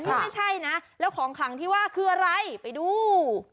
นี่ไม่ใช่นะแล้วของขลังที่ว่าคืออะไรไปดู